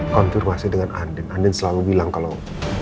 konfirmasi dengan andin andan selalu bilang kalau